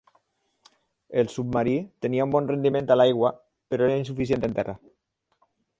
El submarí tenia un bon rendiment a l'aigua, però era insuficient en terra.